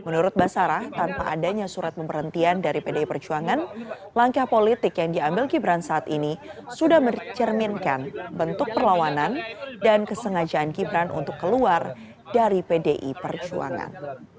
menurut basarah tanpa adanya surat pemberhentian dari pdi perjuangan langkah politik yang diambil gibran saat ini sudah mencerminkan bentuk perlawanan dan kesengajaan gibran untuk keluar dari pdi perjuangan